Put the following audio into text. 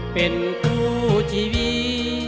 เป็นคู่ชีวิต